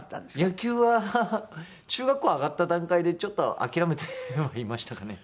野球は中学校上がった段階でちょっと諦めてはいましたかね。